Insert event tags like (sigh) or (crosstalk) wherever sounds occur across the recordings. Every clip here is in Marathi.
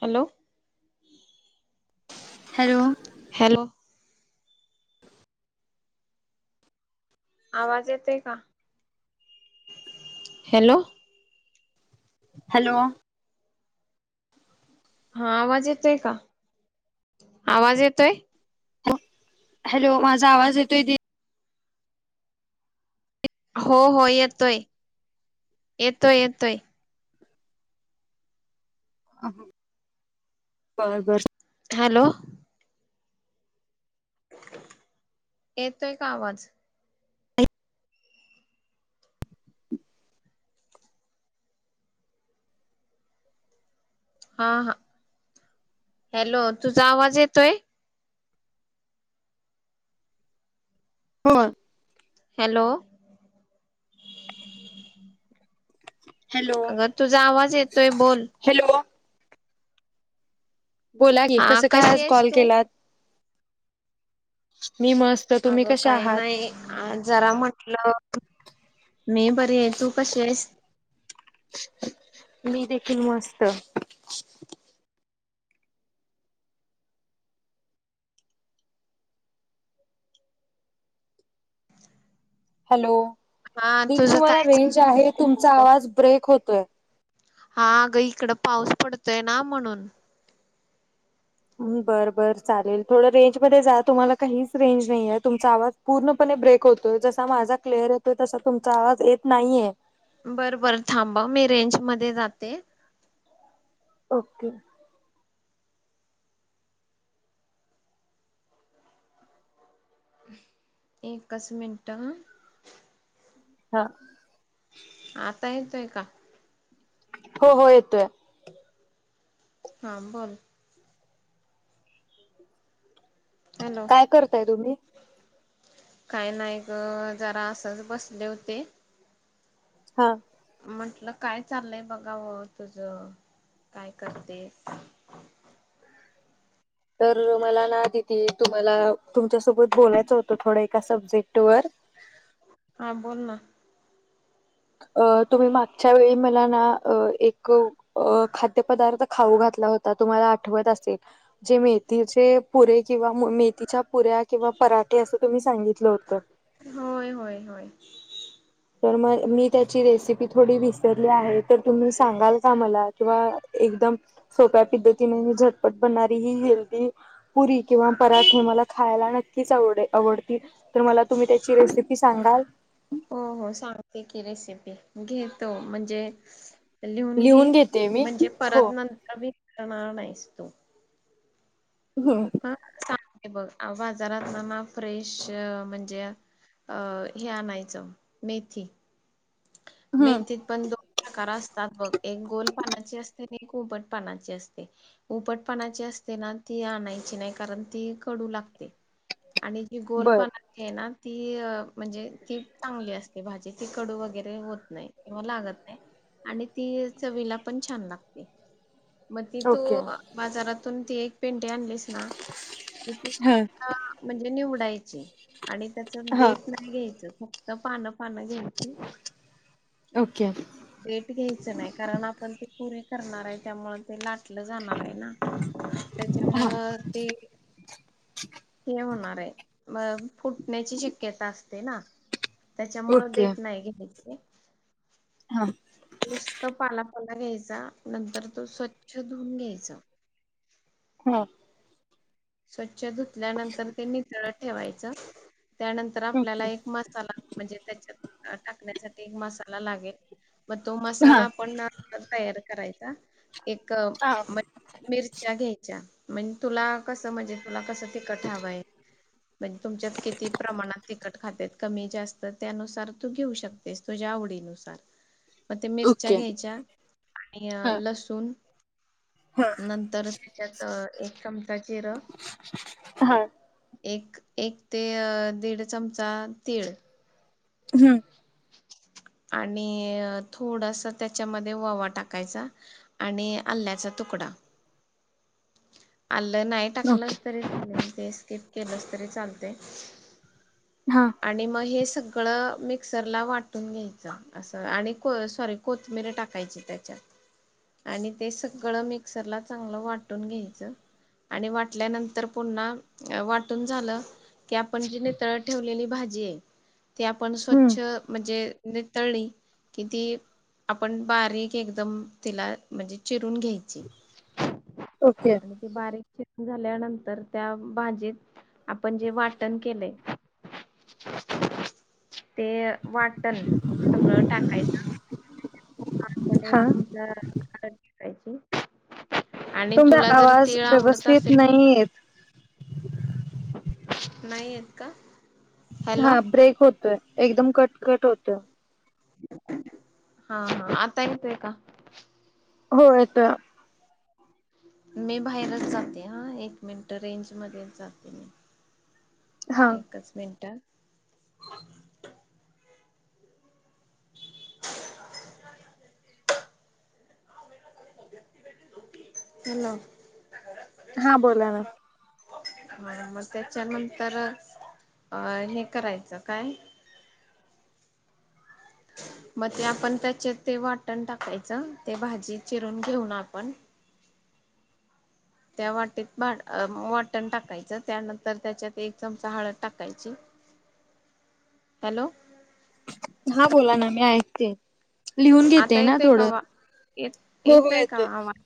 हॅलो हॅलो हॅलो आवाज येतोय का? हॅलो हॅलो हा आवाज येतोय का? आवाज येतोय? हॅलो, माझ आवाज येतोय दि हो हो येतोय, येतोय येतोय. बर बर हॅलो येतो का आवाज? हा हा हॅलो, तुझा आवाज येतोय? हो. हॅलो हॅलो अगं तुझा आवाज येतोय बोल हॅलो बोला की हा कसं काय कशी आज आहेस कॉल तू? केलात? मी मस्त तुम्ही कशा आहात? हा जरा म्हटलं मी बरी आहे तू कशी आहेस? मी देखील मस्त. हॅलो हा दिदी तुझं तुम्हाला काय रेंज आहे तुमचा चाललंय आवाज ब्रेक होतोय. हा अगं इकड पाऊस पडतोय ना म्हणून बरं बरं चालेल थोडं रेंज मध्ये जा तुम्हाला काहीच रेंज नाहीये तुमचा आवाज पूर्णपणे ब्रेक होतोय जसा माझा क्लिअर येतोय तसा तुमचा आवाज येत नाहीये. बरं बर थांब ह मी रेंज मध्ये जाते. ओके एकच मिनटं हा आता येतोय का? हो हो येतोय. हां बोल. हॅलो काय करताय तुम्ही काय नाय ग जरा असंच बसले होते. हा म्हंटलं काय चाललंय बघाव तुझ काय करतेस. तर मला ना दिती तुम्हाला तुमच्यासोबत बोलायचं होतं थोडं एका सब्जेक्ट वर हां बोल ना अ तुम्ही मागच्या वेळी मला ना अ एक अ खाद्यपदार्थ खाऊ घातला होता तुम्हाला आठवत असेल जे मेथीचे पुरे किंवा मेथीच्या पुऱ्या किंवा पराठे असं तुम्ही सांगितलं होतं होय होय होय तर मग मी त्याची रेसिपी थोडी विसरली आहे तर तुम्ही सांगाल का मला किंवा एकदम सोप्या पद्धतीने झटपट बनणारी ही हेल्दी पुरी किंवा पराठे मला खायला नक्कीच आवडे आवडतील तर मला तुम्ही त्याची रेसिपी सांगाल हो हो सांगते की रेसिपी घेतो म्हणजे लिहून घे घेते मी म्हणजे हो परत नंतर मीकणार नाहीस तो हम ह सांग आहे बघ बाजारात ना ना फ्रेश म्हणजे अ हे आणायचं मेथी हम्म मेथीत पण दोन प्रकार असतात बघ एक गोल पानाची असते आणि एक उुबट पानाची असते उपटपणाची असते ना ती आणायची नाही कारण ती कडू लागते आणि ही गोल बर पाणाची आहे ना ती म्हणजे ती चांगली असते भाजी ती कडू वगैरे होत नाही किंवा लागत नाही आणि ती चवीला पण छान लागते मग ती तू ओके बाजारातून ती एक पेंटी आणलीस ना कती हा म्हणजे निवडायची आणि त्याच हा डेट नाही नाही घ्यायचं फक्त पानं पानं घ्यायची ओके ओके डेट घ्यायचं नाही कारण आपण ते पुरीे करणार आहे त्यामु ते लाटलं जाणार आहे ना हा त्याच्यामुळं ते हे होणार आहे म फुटण्याची शक्यता असते ना त्याच्यामुळ ओके डेट नाही घ्यायचे हा नुसता पालापाला न्यायचा नंतर तो स्वच्छ धुवून घ्यायचा हा स्वच्छ धुतल्यानंतर ते नितळत ठेवायचं त्यानंतर आपल्याला ओके एक मसाला म्हणजे त्याच्यात टाकण्यासाठी मसाला लागेल मग तो हा मसाला पण तयार करायचा एक हा मिरच्या घ्यायच्या म्हणजे तुला कस म्हणजे तुला कसं तिखट हवय म्हणजे तुमच्या किती प्रमाणात तिखट खात्यात कमी जास्त त्यानुसार तु घेऊ शकतेस तुझ्या आवडीनुसार मग ते मिरच्या ओके घ्यायच्या हा आणि लसुण हा नंतर त्याच्यात एक चमचा जिर हा एक -एक ते दीड चमचा तीळ हम्म आणि थोडासा त्याच्यामध्ये ओवा टाकायचा आणि आल्याचा तुकडा आलं नाही टाकलंच ओके तरी चा ते स्किप केलंस तरी चालते हा आणि मग हे सगळं मिक्सरला वाटून घ्यायचं असं आणि को सॉरी कोथिंबीर टाकायची त्याच्यात आणि ते सगळं मिक्सरला चांगलं वाटुन घ्यायचं आणि वाटल्यानंतर पुन्हा वाटुन झालं की आपण जी नितळत ठेवलेली भाजी आहे ती आपण हम्म स्वच्छ म्हणजे नितळली कि ती आपण बारीक एकदम तिला म्हणजे चिरून घ्यायचं ओके. ते बारीक चिरुन झाल्यानंतर, त्या भाजीत आपण जे वाटण केलंय, ते वाटण सगळं टाकायचं. आपण एक हा चमचा हळद टाकायची. आणि तुमचा तुला जर आवाज तीळ आवडत व्यवस्थित असेल नाहीे येत. नाही येत का? हॅलो हा ब्रेक होतोय, एकदम कटकट होतोय. हा हा आता येतोय का? हो येतोय. मी बाहेरच जाते हा, एक मिनट रेंजमध्येच जाते मी. हा एकच मिनटं. (inaudible) हॅलो. हा बोला ना हा मग त्याच्यानंतर अ हे करायचं, काय? मग ते आपण त्याचेत ते वाटण टाकायचं, ते भाजी चिरून घेऊन आपण, त्या वाटीत वाटण टाकायचं, त्यानंतर त्याच्यात एक चमचा हळद टाकायची, हॅलो. हा बोला ना, मी ऐकतेय. लिहुन आता घेते ना येतोय का थोडं, वा येत हो हो का येतोय. आवाज?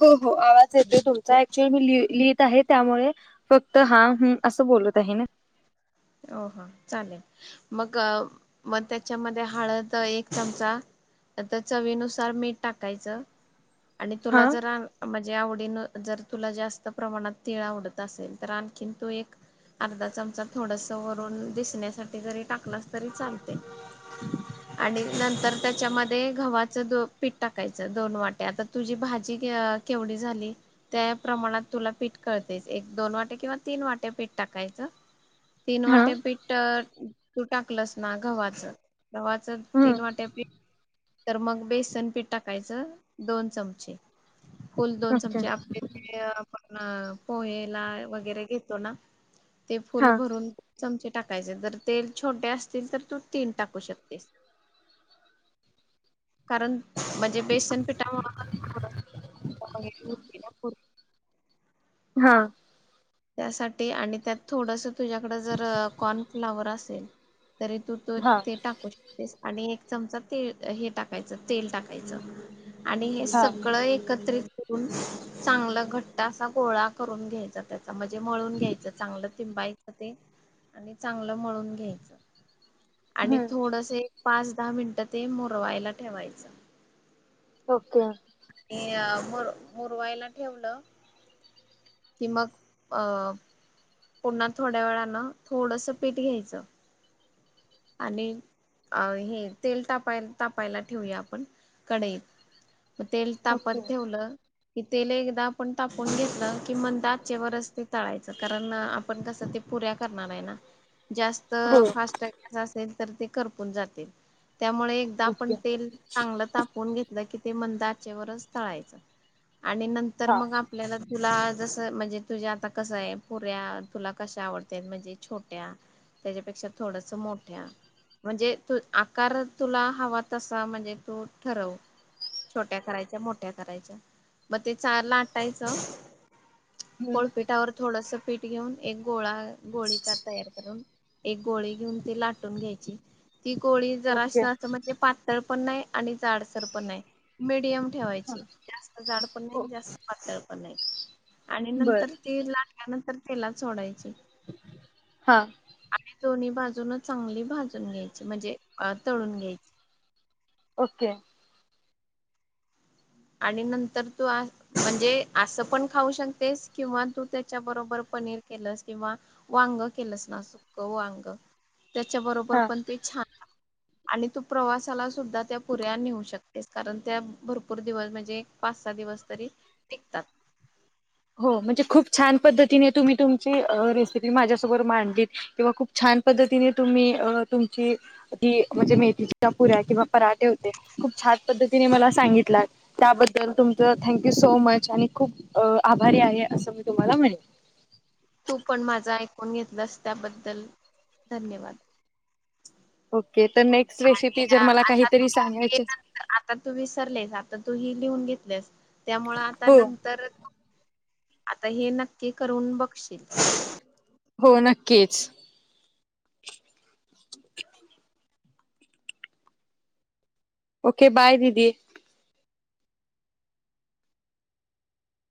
हो हो आवाज येतोय तुमचा, ऍक्चुअल मी लिहित लिहित आहे, त्यामुळे फक्त हा हम्म असं बोलत आहे ना. हो हो चालेल, मग मग त्याच्यामध्ये हळद एक चमचा, आता चवीनुसार मीठ टाकायचं, आणि हा तुला जर म्हणजे आवडीन जर तुला जास्त प्रमाणात तीळ आवडत असेल, तर आणखीन तु एक अर्धा चमचा थोडस वरून दिसण्यासाठी जरी टाकलास तरी चालते आणि नंतर त्याच्यामध्ये गव्हाचं पीठ टाकायचं, दोन वाट्या, आता तुझी भाजी अ, केवढी झाली. त्या प्रमाणात तुला पीठ कळतेय एक दोन वाट्या किंवा तीन वाट्या पीठ टाकायचं. तीन हा वाट्या पीठ तू टाकलस ना गव्हाच, गवा्हाच तीन हम्म वाट्यापी तर मग बेसन पीठ टाकायचं, दोन चमचे. फुल दोन ओके चमचे, आपले पण पोहेला वगैरे घेतो ना, ते. फुल हा भरून चमचे टाकायचे, जर ते छोटे असतील, तर तू तीन टाकू शकतेस. (inaudible) कारण म्हणजे बेसनपिठामुळे (unintelligible) ह. त्यासाठी, आणि त्यात थोडस तुझ्याकड जर, कॉर्नफ्लावर असेल, तरी तू तू हा ते टाकू शकतेस, आणि एक चमचा ते हे टाकायचं तेल टाकायचं. आणि हे हा सगळं एकत्रित करून, चांगलं घट्ट असा गोळा करून घ्यायचां, त्याचा म्हणजे मळुन घ्यायचं चांगलं तिं बाईक ते, आणि चांगलं मळून घ्यायच, आणि हम्म थोडसे, पाच दहा मिनिटं ते, मुरवायला ठेवायचं. ओके. आणि मुर मुरवायला ठेवलं, कि मग, अ पुन्हा थोड्या वेळानं, थोडस पीठ घ्यायचं, आणि अ हे, तेल तापाय तापायला ठेवया आपण, कढईत. म तेल ओके तापत ठेवलं, कि तेल एकदा आपण तापून घेतलं कि मग मंद आचेवरच ते तळायचं कारण आपण कसं ते पुऱ्या करणार आहे ना जास्त हो फास्ट गैस असेल तर ते खरपून जातील त्यामुळे एकदा आपण ओके तेल चांगलं तापून घेतलं की ते मंद आचेवर तळायचं आणि नंतर हा मग आपल्याला तुला जस म्हणजे तुझ्या आता कसं आहे पुऱ्या तुला कश्या आवडत म्हणजे छोट्या त्याच्यापेक्षा थोडस मोठ्या म्हणजे तू आकार तुला हवा तसा म्हणजे तू ठरव छोट्या करायच्या मोठ्या करायच्या मग ते चार ला टायचं हम्म पोळपीठावर थोडस पीठ घेऊन एक गोळा गोळी तयार करून एक गोळी घेऊन लाटून घ्यायची ती गोळी जरा अस ओके अस म्हणजे पातळ पण नाही आणि जाडसर पण नाही मिडियम ठेवायची जास्त जाड पण नाही जास्त पातळ पण आहे आणि बर नंतर ती लाटल्यानंतर तेलात सोडायची हा आणि दोन्ही बाजून चांगली भाजून घ्यायची म्हणजे तळून घ्यायची ओके आणि नंतर तू आ म्हणजे असं पण खाऊ शकतेस किंवा तू त्याच्या बरोबर पनीर केलंस किंवा वांग केलंस ना सुख वांग त्याच्या बरोबर हा पण ते छान आणि तू प्रवासाला सुद्धा त्या पुऱ्या नेऊ शकतेस कारण त्या भरपूर भपूर दिवस म्हणजे एक पाच सहा दिवस तरी टिकतात हो म्हणजे खूप छान पद्धतीने तुम्ही तुमची रेसिपी माझ्यासमोर मांडली किंवा खूप छान पद्धतीने तुम्ही अ तुमची ती म्हणजे मेथीची पुूऱ्या किंवा पराठे होते खूप छान पद्धती तिने मला सांगितला त्याबद्दल तुमच थँक्यू सो मच आणि खूप आभारी आहे असं मी तुम्हाला म्हणेन तू पण माझं ऐकून घेतलास त्याबद्दल धन्यवाद ओके तर नेक्स्ट ते रेसिपी जर मला आता काहीतरी तुम्ही सांगायची. आता तू विसरलेस आता तू हे लिहून घेतलस त्यामुळे आता हो नंतर आता हे नक्की करून बघशील? हो नक्कीच. ओके बाय दिदी